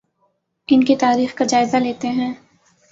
ان کی تاریخ کا جائزہ لیتے ہیں